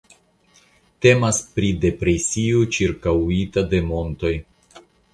Temas pri depresio ĉirkaŭita de montoj.